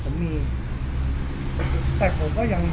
เพราะอะไรนี่คือลูกเขามีลูกนะครับ